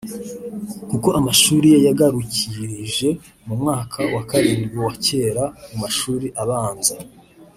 kuko amashuri ye yayagarukirije mu mwaka wa karindwi wa kera mu mashuri abanza